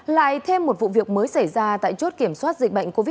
lại thêm một vụ việc mới xảy ra tại chốt kiểm soát dịch bệnh covid